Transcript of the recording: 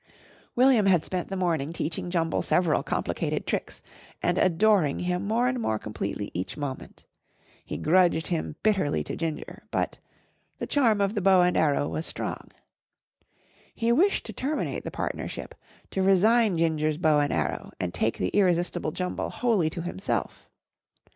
William had spent the morning teaching Jumble several complicated tricks, and adoring him more and more completely each moment. He grudged him bitterly to Ginger, but the charm of the bow and arrow was strong. He wished to terminate the partnership, to resign Ginger's bow and arrow and take the irresistible Jumble wholly to himself.